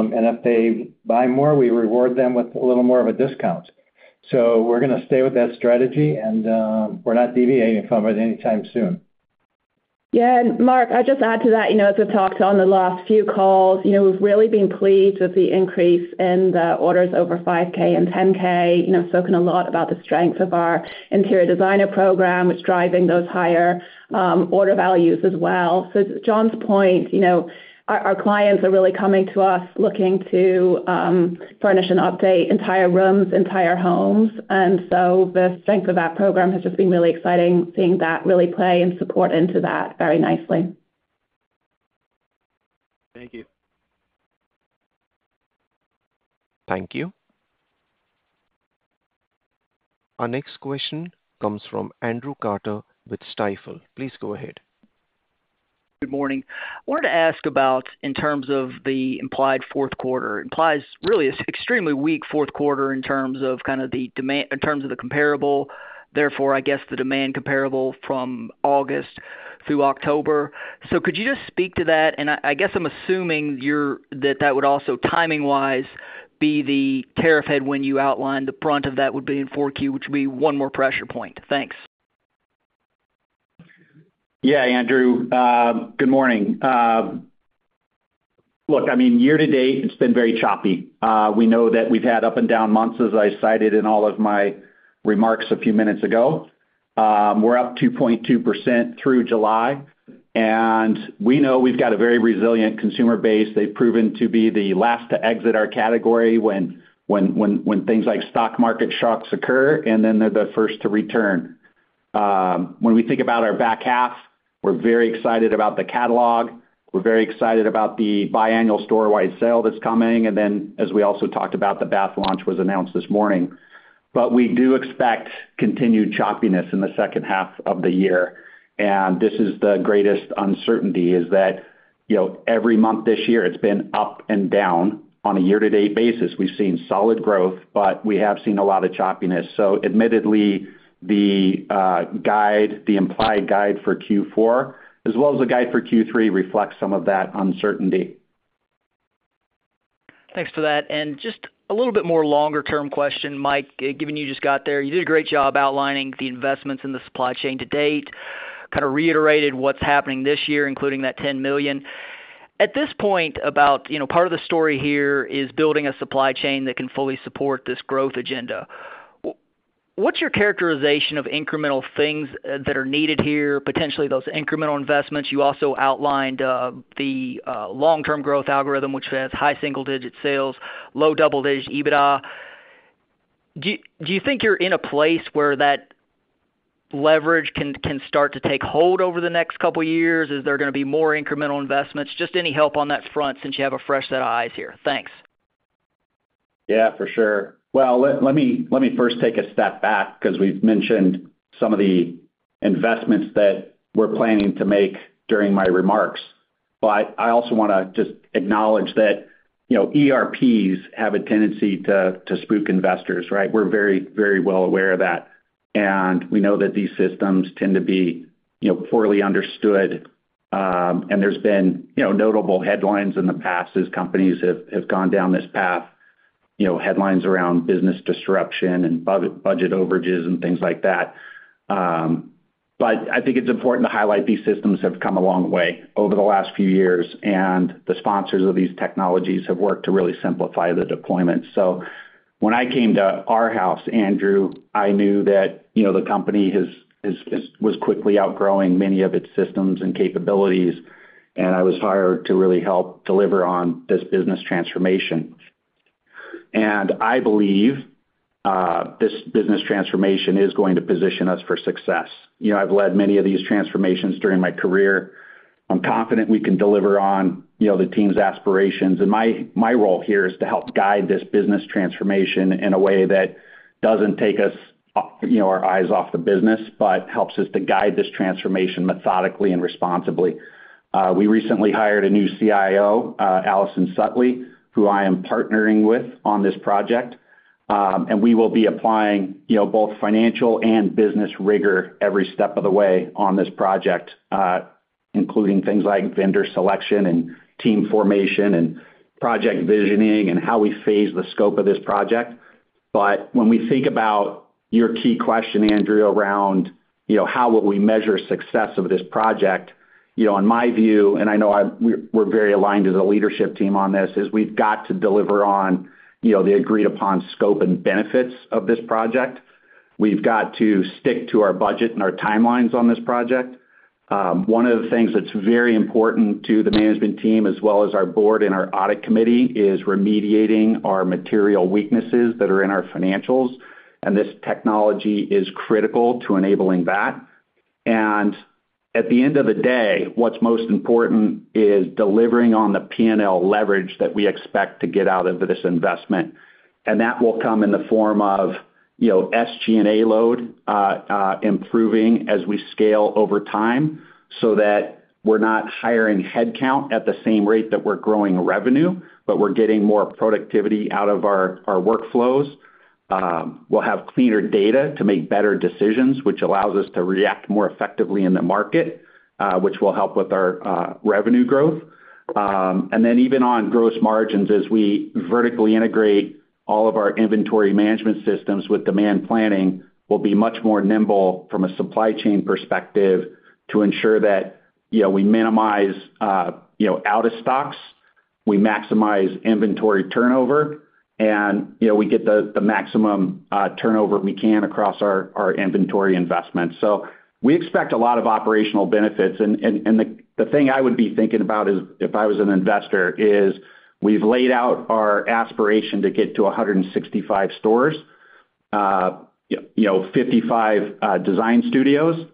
If they buy more, we reward them with a little more of a discount. We're going to stay with that strategy, and we're not deviating from it anytime soon. Yeah, Mark, I'd just add to that. You know, as we've talked on the last few calls, we've really been pleased with the increase in the orders over $5,000 and $10,000. I've spoken a lot about the strength of our interior designer program, which is driving those higher order values as well. To John's point, our clients are really coming to us looking to furnish and update entire rooms, entire homes. The strength of that program has just been really exciting, seeing that really play and support into that very nicely. Thank you. Thank you. Our next question comes from Andrew Carter with Stifel Nicolaus & Company Incorporated. Please go ahead. Good morning. I wanted to ask about, in terms of the implied fourth quarter, it implies really an extremely weak fourth quarter in terms of the demand, in terms of the comparable. I guess the demand comparable from August through October. Could you just speak to that? I'm assuming that would also timing-wise be the tariff headwind you outlined. The brunt of that would be in 4Q, which would be one more pressure point. Thanks. Yeah, Andrew. Good morning. Look, I mean, year to date, it's been very choppy. We know that we've had up and down months, as I cited in all of my remarks a few minutes ago. We're up 2.2% through July, and we know we've got a very resilient consumer base. They've proven to be the last to exit our category when things like stock market shocks occur, and they're the first to return. When we think about our back half, we're very excited about the catalog. We're very excited about the biannual store-wide sale that's coming. As we also talked about, the bath launch was announced this morning. We do expect continued choppiness in the second half of the year. The greatest uncertainty is that, you know, every month this year, it's been up and down on a year-to-date basis. We've seen solid growth, but we have seen a lot of choppiness. Admittedly, the guide, the implied guide for Q4, as well as the guide for Q3, reflects some of that uncertainty. Thanks for that. Just a little bit more longer-term question, Mike, given you just got there. You did a great job outlining the investments in the supply chain to date, kind of reiterated what's happening this year, including that $10 million. At this point, part of the story here is building a supply chain that can fully support this growth agenda. What's your characterization of incremental things that are needed here, potentially those incremental investments? You also outlined the long-term growth algorithm, which has high single-digit sales, low double-digit EBITDA. Do you think you're in a place where that leverage can start to take hold over the next couple of years? Is there going to be more incremental investments? Just any help on that front since you have a fresh set of eyes here. Thanks. Yeah, for sure. Let me first take a step back because we've mentioned some of the investments that we're planning to make during my remarks. I also want to just acknowledge that, you know, ERPs have a tendency to spook investors, right? We're very, very well aware of that. We know that these systems tend to be, you know, poorly understood. There's been, you know, notable headlines in the past as companies have gone down this path, headlines around business disruption and budget overages and things like that. I think it's important to highlight these systems have come a long way over the last few years, and the sponsors of these technologies have worked to really simplify the deployment. When I came to Arhaus, Andrew, I knew that the company was quickly outgrowing many of its systems and capabilities, and I was hired to really help deliver on this business transformation. I believe this business transformation is going to position us for success. I've led many of these transformations during my career. I'm confident we can deliver on, you know, the team's aspirations. My role here is to help guide this business transformation in a way that doesn't take us, you know, our eyes off the business, but helps us to guide this transformation methodically and responsibly. We recently hired a new CIO, Allison Sutley, who I am partnering with on this project. We will be applying, you know, both financial and business rigor every step of the way on this project, including things like vendor selection and team formation and project visioning and how we phase the scope of this project. When we think about your key question, Andrew, around, you know, how will we measure the success of this project, in my view, and I know we're very aligned as a leadership team on this, we've got to deliver on, you know, the agreed-upon scope and benefits of this project. We've got to stick to our budget and our timelines on this project. One of the things that's very important to the management team, as well as our board and our audit committee, is remediating our material weaknesses that are in our financials. This technology is critical to enabling that. At the end of the day, what's most important is delivering on the P&L leverage that we expect to get out of this investment. That will come in the form of SG&A load improving as we scale over time so that we're not hiring headcount at the same rate that we're growing revenue, but we're getting more productivity out of our workflows. We'll have cleaner data to make better decisions, which allows us to react more effectively in the market, which will help with our revenue growth. Even on gross margins, as we vertically integrate all of our inventory management systems with demand planning, we'll be much more nimble from a supply chain perspective to ensure that we minimize out of stocks, we maximize inventory turnover, and we get the maximum turnover we can across our inventory investments. We expect a lot of operational benefits. The thing I would be thinking about is, if I was an investor, we've laid out our aspiration to get to 165 stores, 55 design studios.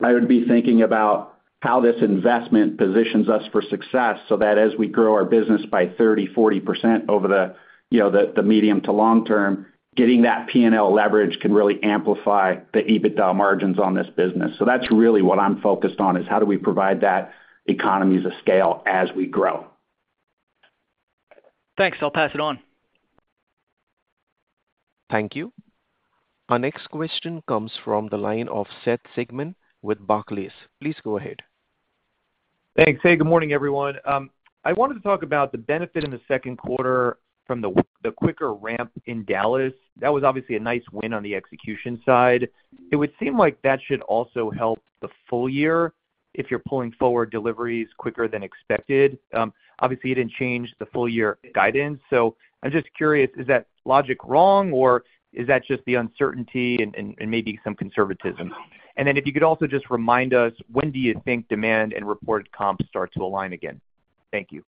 I would be thinking about how this investment positions us for success so that as we grow our business by 30%, 40% over the medium to long term, getting that P&L leverage can really amplify the EBITDA margins on this business. That's really what I'm focused on, how do we provide that economies of scale as we grow? Thanks. I'll pass it on. Thank you. Our next question comes from the line of Seth Sigman with Barclays Bank PLC. Please go ahead. Thanks. Hey, good morning, everyone. I wanted to talk about the benefit in the second quarter from the quicker ramp in Dallas. That was obviously a nice win on the execution side. It would seem like that should also help the full year if you're pulling forward deliveries quicker than expected. Obviously, you didn't change the full year guidance. I'm just curious, is that logic wrong or is that just the uncertainty and maybe some conservatism? If you could also just remind us, when do you think demand and reported comps start to align again? Thank you.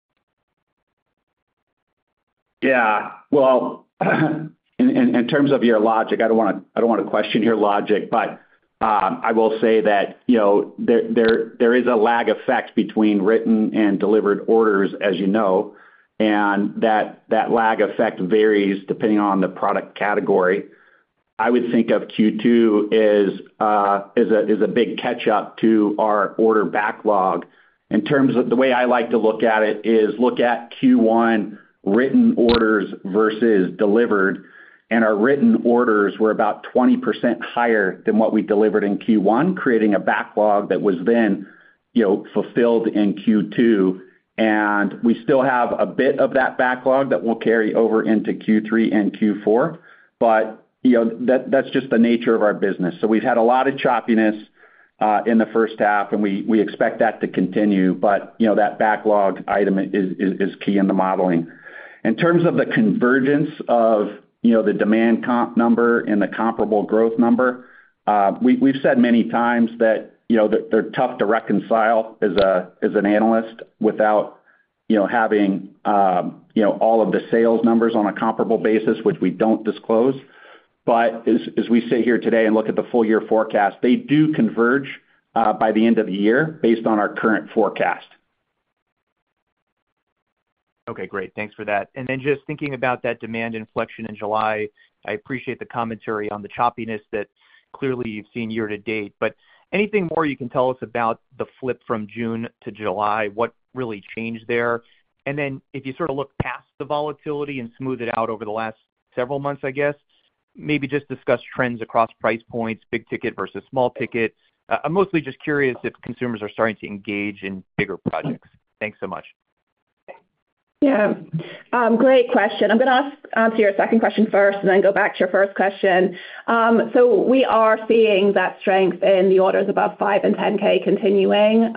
In terms of your logic, I don't want to question your logic, but I will say that there is a lag effect between written and delivered orders, as you know, and that lag effect varies depending on the product category. I would think of Q2 as a big catch-up to our order backlog. The way I like to look at it is look at Q1 written orders versus delivered, and our written orders were about 20% higher than what we delivered in Q1, creating a backlog that was then fulfilled in Q2. We still have a bit of that backlog that will carry over into Q3 and Q4, but that's just the nature of our business. We've had a lot of choppiness in the first half, and we expect that to continue. That backlog item is key in the modeling. In terms of the convergence of the demand comp number and the comparable growth number, we've said many times that they're tough to reconcile as an analyst without having all of the sales numbers on a comparable basis, which we don't disclose. As we sit here today and look at the full year forecast, they do converge by the end of the year based on our current forecast. Okay, great. Thanks for that. Thinking about that demand inflection in July, I appreciate the commentary on the choppiness that clearly you've seen year to date. Is there anything more you can tell us about the flip from June to July? What really changed there? If you sort of look past the volatility and smooth it out over the last several months, maybe just discuss trends across price points, big ticket versus small ticket. I'm mostly just curious if consumers are starting to engage in bigger projects. Thanks so much. Yeah, great question. I'm going to answer your second question first and then go back to your first question. We are seeing that strength in the orders above $5,000 and $10,000 continuing,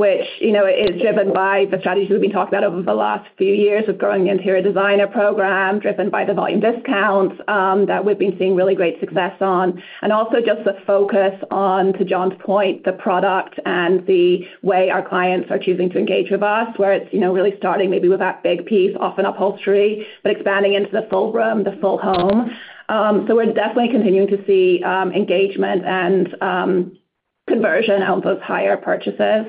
which, you know, is driven by the strategies we've been talking about over the last few years with growing the interior designer program, driven by the volume discounts that we've been seeing really great success on. Also, just the focus on, to John's point, the product and the way our clients are choosing to engage with us, where it's, you know, really starting maybe with that big piece, often upholstery, but expanding into the full room, the full home. We're definitely continuing to see engagement and conversion of those higher purchases.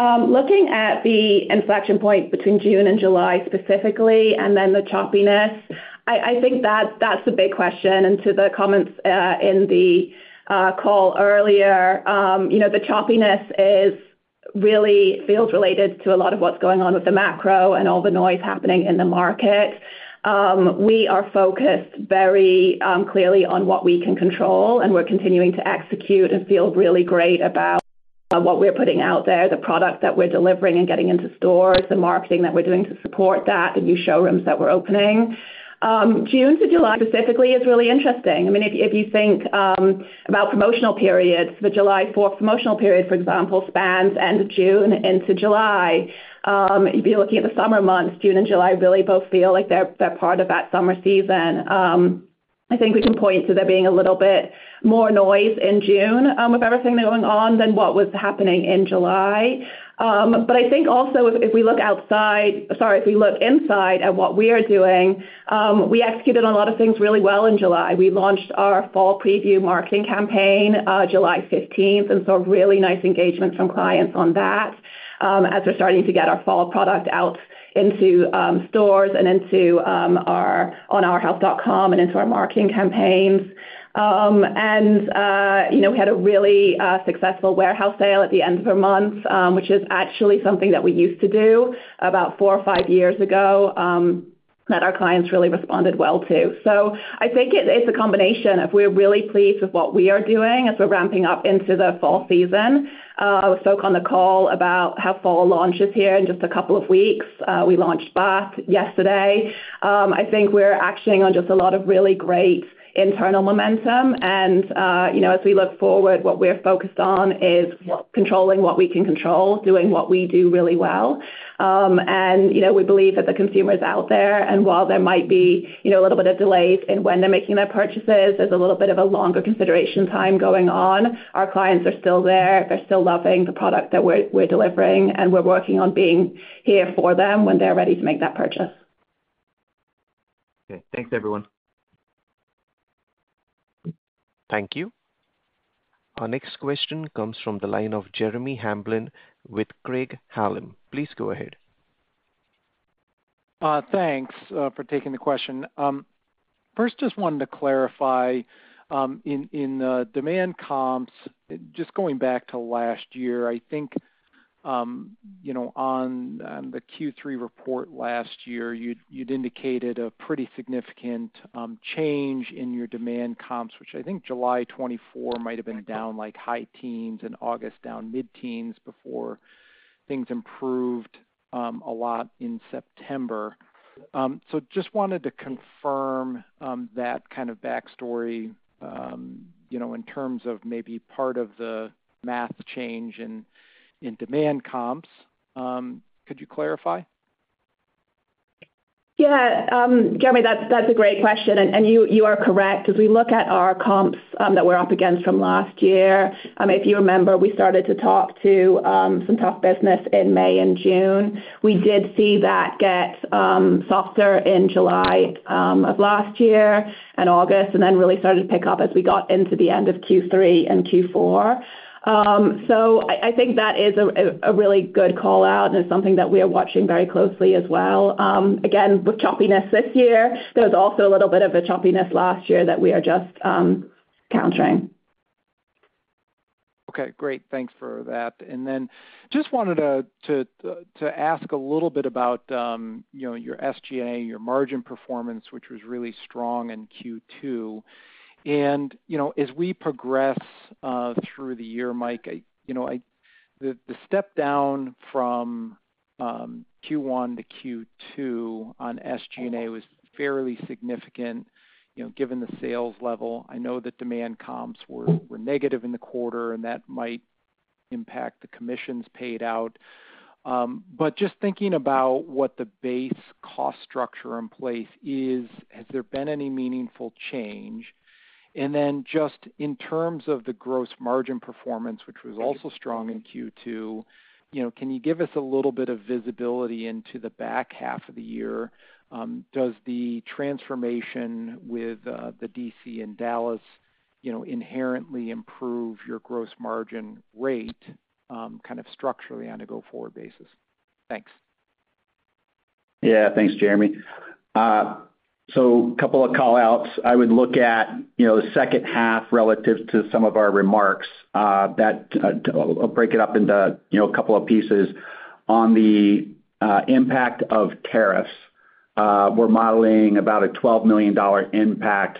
Looking at the inflection point between June and July specifically, and then the choppiness, I think that's the big question. To the comments in the call earlier, you know, the choppiness is really field-related to a lot of what's going on with the macro and all the noise happening in the market. We are focused very clearly on what we can control, and we're continuing to execute and feel really great about what we're putting out there, the product that we're delivering and getting into stores, the marketing that we're doing to support that, the new showrooms that we're opening. June to July specifically is really interesting. If you think about promotional periods, the July 4th promotional period, for example, spans end of June into July. You'd be looking at the summer months. June and July really both feel like they're part of that summer season. I think we can point to there being a little bit more noise in June with everything going on than what was happening in July. I think also if we look inside at what we are doing, we executed on a lot of things really well in July. We launched our fall preview marketing campaign July 15th and saw really nice engagement from clients on that as we're starting to get our fall product out into stores and onto arhaus.com and into our marketing campaigns. We had a really successful warehouse sale at the end of the month, which is actually something that we used to do about four or five years ago that our clients really responded well to. I think it's a combination of we're really pleased with what we are doing as we're ramping up into the fall season. I spoke on the call about how fall launches here in just a couple of weeks. We launched Bath yesterday. I think we're actioning on just a lot of really great internal momentum. As we look forward, what we're focused on is controlling what we can control, doing what we do really well. We believe that the consumers out there, and while there might be a little bit of delays in when they're making their purchases, there's a little bit of a longer consideration time going on. Our clients are still there. They're still loving the product that we're delivering, and we're working on being here for them when they're ready to make that purchase. Okay, thanks everyone. Thank you. Our next question comes from the line of Jeremy Hamblin with Craig-Hallum Capital Group LLC. Please go ahead. Thanks for taking the question. First, just wanted to clarify in the demand comps, just going back to last year. I think, you know, on the Q3 report last year, you'd indicated a pretty significant change in your demand comps, which I think July 2023 might have been down like high teens and August down mid-teens before things improved a lot in September. Just wanted to confirm that kind of backstory, you know, in terms of maybe part of the math change in demand comps. Could you clarify? Yeah, Jeremy, that's a great question. You are correct. As we look at our comps that we're up against from last year, if you remember, we started to talk to some tough business in May and June. We did see that get softer in July of last year and August, and then really started to pick up as we got into the end of Q3 and Q4. I think that is a really good callout and is something that we are watching very closely as well. Again, with choppiness this year, there was also a little bit of a choppiness last year that we are just countering. Okay, great. Thanks for that. I just wanted to ask a little bit about your SG&A, your margin performance, which was really strong in Q2. As we progress through the year, Mike, the step down from Q1 to Q2 on SG&A was fairly significant, given the sales level. I know that demand comps were negative in the quarter, and that might impact the commissions paid out. Just thinking about what the base cost structure in place is, has there been any meaningful change? In terms of the gross margin performance, which was also strong in Q2, can you give us a little bit of visibility into the back half of the year? Does the transformation with the DC in Dallas inherently improve your gross margin rate structurally on a go-forward basis? Thanks. Yeah, thanks, Jeremy. A couple of callouts. I would look at the second half relative to some of our remarks that I'll break up into a couple of pieces. On the impact of tariffs, we're modeling about a $12 million impact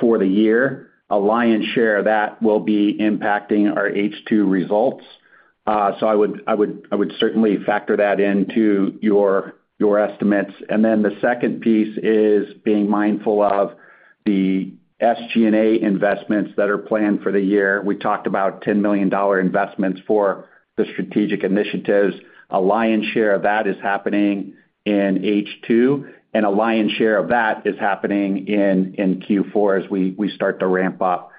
for the year, a lion's share of that will be impacting our H2 results. I would certainly factor that into your estimates. The second piece is being mindful of the SG&A investments that are planned for the year. We talked about $10 million investments for the strategic initiatives. A lion's share of that is happening in H2, and a lion's share of that is happening in Q4 as we start to ramp up.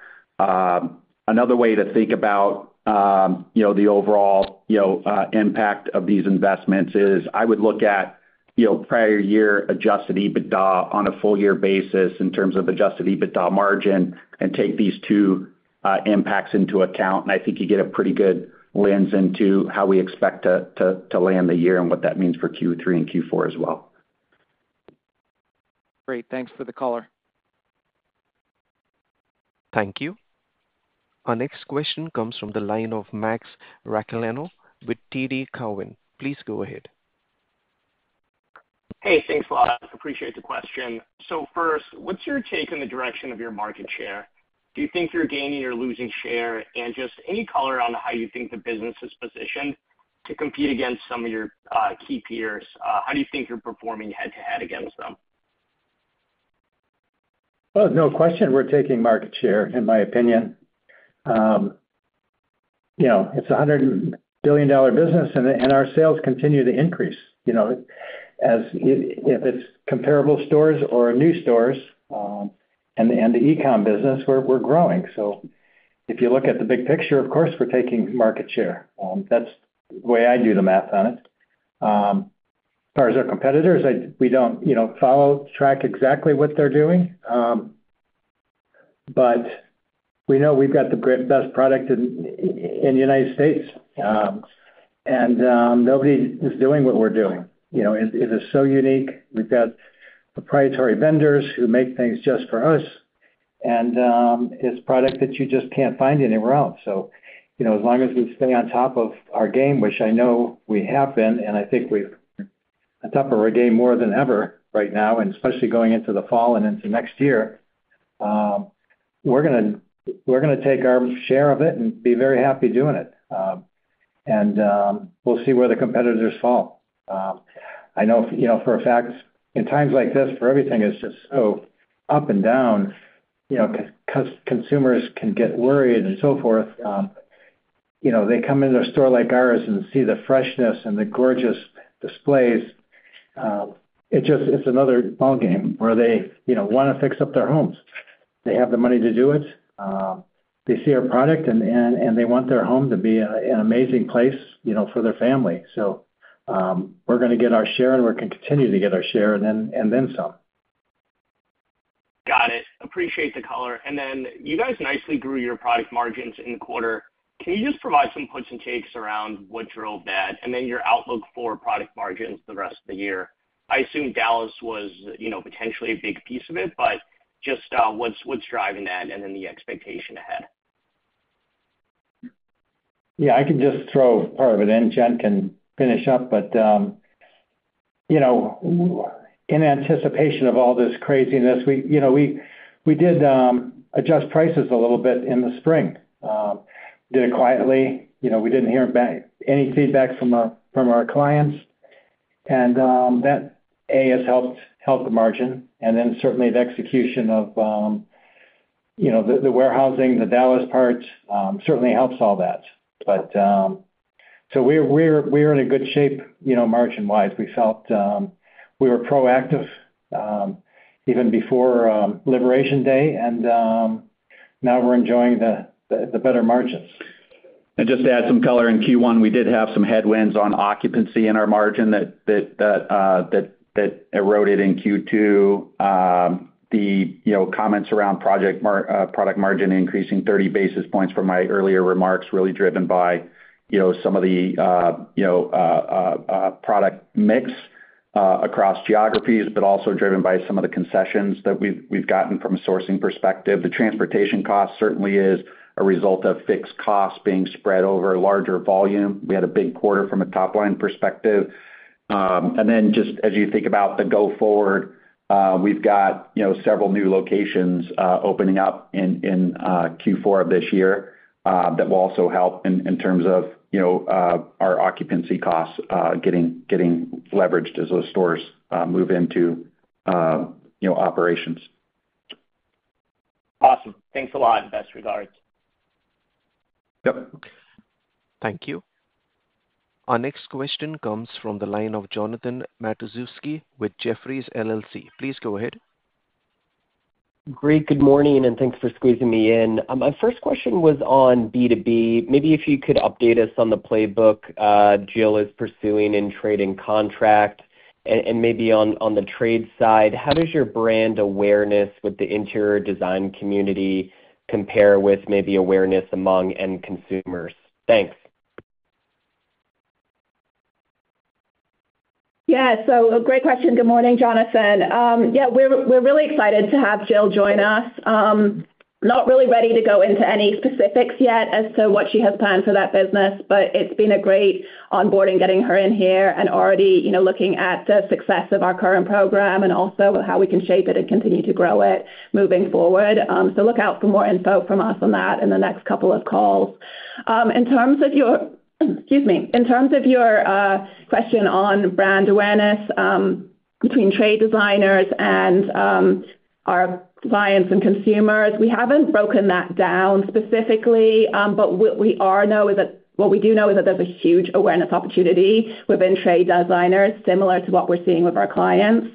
Another way to think about the overall impact of these investments is I would look at prior year Adjusted EBITDA on a full-year basis in terms of Adjusted EBITDA margin and take these two impacts into account. I think you get a pretty good lens into how we expect to land the year and what that means for Q3 and Q4 as well. Great. Thanks for the call. Thank you. Our next question comes from the line of Max Rakhlenko with TD Cowen. Please go ahead. Thank you, I appreciate the question. First, what's your take on the direction of your market share? Do you think you're gaining or losing share? Any color on how you think the business is positioned to compete against some of your key peers? How do you think you're performing head-to-head against them? Oh, no question. We're taking market share, in my opinion. You know, it's a $100 billion business, and our sales continue to increase. You know, as if it's comparable stores or new stores and the e-commerce business, we're growing. If you look at the big picture, of course, we're taking market share. That's the way I do the math on it. As far as our competitors, we don't follow track exactly what they're doing. We know we've got the best product in the United States, and nobody is doing what we're doing. It is so unique. We've got proprietary vendors who make things just for us, and it's a product that you just can't find anywhere else. As long as we stay on top of our game, which I know we have been, and I think we've been on top of our game more than ever right now, especially going into the fall and into next year, we're going to take our share of it and be very happy doing it. We'll see where the competitors fall. I know for a fact, in times like this, where everything is just so up and down, consumers can get worried and so forth. They come into a store like ours and see the freshness and the gorgeous displays. It's just, it's another ballgame where they want to fix up their homes. They have the money to do it. They see our product, and they want their home to be an amazing place for their family. We're going to get our share, and we're going to continue to get our share, and then some. Got it. Appreciate the caller. You guys nicely grew your product margins in the quarter. Can you just provide some puts and takes around what drove that and your outlook for product margins the rest of the year? I assume Dallas was, you know, potentially a big piece of it, but what's driving that and the expectation ahead? Yeah, I can just throw part of it in. Jen can finish up. In anticipation of all this craziness, we did adjust prices a little bit in the spring. We did it quietly. We didn't hear any feedback from our clients. That, A, has helped the margin, and then certainly the execution of the warehousing, the Dallas parts certainly helps all that. We're in good shape, margin-wise. We felt we were proactive even before Liberation Day, and now we're enjoying the better margins. Just to add some color, in Q1, we did have some headwinds on occupancy in our margin that eroded in Q2. The comments around product margin increasing 30 basis points from my earlier remarks were really driven by some of the product mix across geographies, but also driven by some of the concessions that we've gotten from a sourcing perspective. The transportation cost certainly is a result of fixed costs being spread over a larger volume. We had a big quarter from a top-line perspective. As you think about the go-forward, we've got several new locations opening up in Q4 of this year that will also help in terms of our occupancy costs getting leveraged as those stores move into operations. Awesome. Thanks a lot. And best regards. Yep. Thank you. Our next question comes from the line of Jonathan Matuszewski with Jefferies. Please go ahead. Great. Good morning, and thanks for squeezing me in. My first question was on B2B. Maybe if you could update us on the playbook Jill is pursuing in trading contract and maybe on the trade side, how does your brand awareness with the interior design community compare with maybe awareness among end consumers? Thanks. Yeah, great question. Good morning, Jonathan. We're really excited to have Jill join us. Not really ready to go into any specifics yet as to what she has planned for that business, but it's been a great onboarding getting her in here and already looking at the success of our current program and also how we can shape it and continue to grow it moving forward. Look out for more info from us on that in the next couple of calls. In terms of your question on brand awareness between trade designers and our clients and consumers, we haven't broken that down specifically, but what we do know is that there's a huge awareness opportunity within trade designers, similar to what we're seeing with our clients.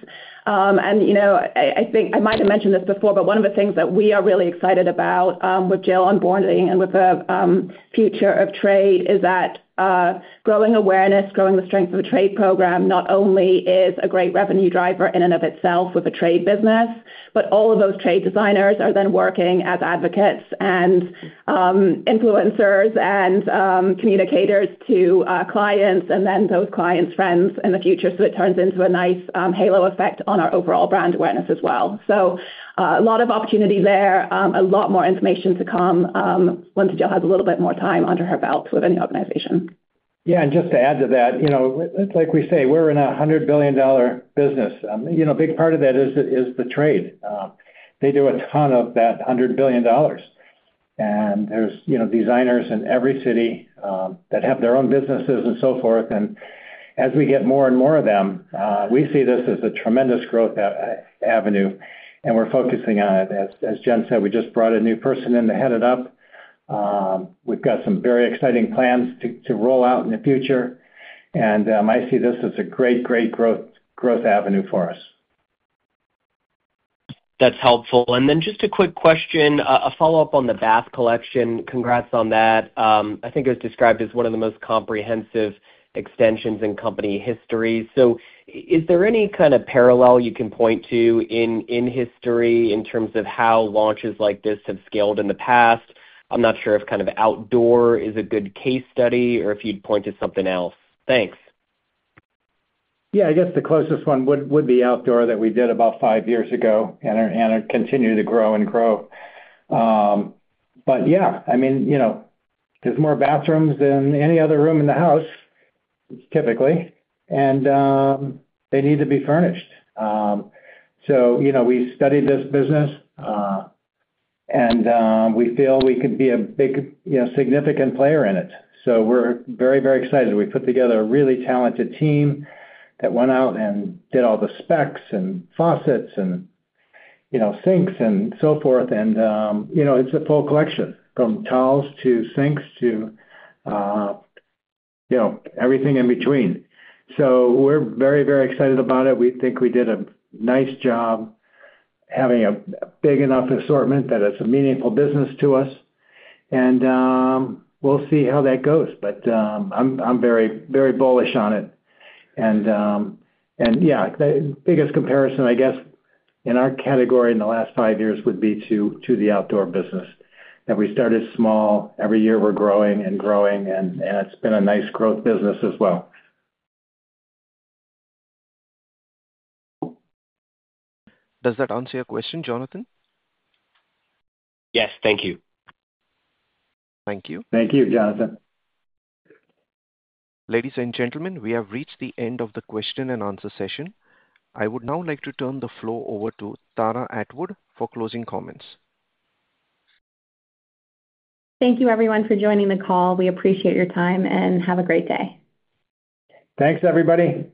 I think I might have mentioned this before, but one of the things that we are really excited about with Jill onboarding and with the future of trade is that growing awareness, growing the strength of a trade program not only is a great revenue driver in and of itself with a trade business, but all of those trade designers are then working as advocates and influencers and communicators to clients and then those clients' friends in the future. It turns into a nice halo effect on our overall brand awareness as well. A lot of opportunity there, a lot more information to come once Jill has a little bit more time under her belt within the organization. Yeah, and just to add to that, you know, like we say, we're in a $100 billion business. A big part of that is the trade. They do a ton of that $100 billion. There are designers in every city that have their own businesses and so forth. As we get more and more of them, we see this as a tremendous growth avenue, and we're focusing on it. As Jen said, we just brought a new person in to head it up. We've got some very exciting plans to roll out in the future. I see this as a great, great growth avenue for us. That's helpful. Just a quick question, a follow-up on the Arhaus Bath Collection. Congrats on that. I think it was described as one of the most comprehensive extensions in company history. Is there any kind of parallel you can point to in history in terms of how launches like this have scaled in the past? I'm not sure if kind of outdoor is a good case study or if you'd point to something else. Thanks. Yeah, I guess the closest one would be outdoor that we did about five years ago, and it continued to grow and grow. I mean, you know, there's more bathrooms than any other room in the house, typically, and they need to be furnished. We studied this business, and we feel we could be a big, you know, significant player in it. We're very, very excited. We put together a really talented team that went out and did all the specs and faucets and, you know, sinks and so forth. It's a full collection from towels to sinks to, you know, everything in between. We're very, very excited about it. We think we did a nice job having a big enough assortment that it's a meaningful business to us, and we'll see how that goes. I'm very, very bullish on it. The biggest comparison, I guess, in our category in the last five years would be to the outdoor business. We started small. Every year we're growing and growing, and it's been a nice growth business as well. Does that answer your question, Jonathan? Yes, thank you. Thank you. Thank you, Jonathan. Ladies and gentlemen, we have reached the end of the question and answer session. I would now like to turn the floor over to Tara Atwood for closing comments. Thank you, everyone, for joining the call. We appreciate your time and have a great day. Thanks, everybody.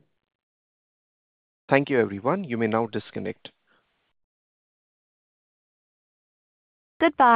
Thank you, everyone. You may now disconnect. Goodbye.